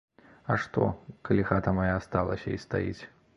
А што, калі хата мая асталася і стаіць?